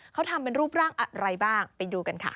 เขาทำเป็นรูปร่างอะไรบ้างไปดูกันค่ะ